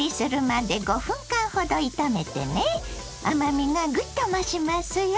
甘みがぐっと増しますよ。